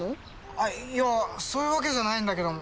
あっいやそういう訳じゃないんだけども。